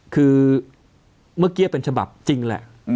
คือเมื่อกี้เป็นฉบับจริงแหละ